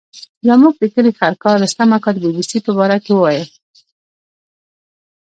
زموږ د کلي خرکار رستم اکا د بي بي سي په باره کې ویل.